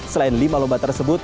selain lima lomba tersebut